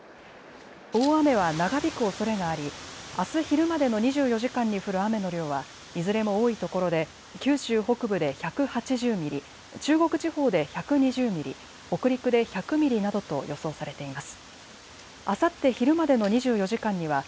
大雨は長引くおそれがありあす昼までの２４時間に降る雨の量はいずれも多いところで九州北部で１８０ミリ、中国地方で１２０ミリ、北陸で１００ミリなどと予想されています。